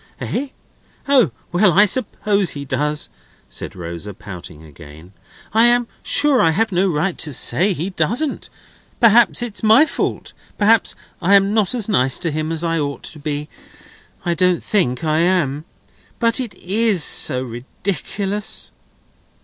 "Eh? O, well, I suppose he does," said Rosa, pouting again; "I am sure I have no right to say he doesn't. Perhaps it's my fault. Perhaps I am not as nice to him as I ought to be. I don't think I am. But it is so ridiculous!"